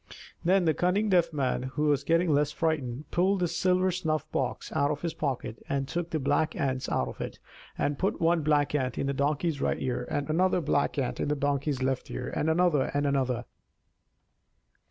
Then the cunning Deaf Man (who was getting less frightened) pulled the silver snuff box out of his pocket, and took the black ants out of it, and put one black ant in the Donkey's right ear, and another black ant in the Donkey's left ear, and another and another.